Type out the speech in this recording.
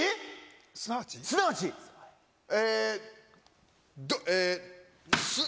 ・すなわち・えどえ。